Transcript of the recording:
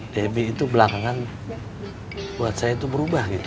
debbie itu belakangan buat saya itu berubah gitu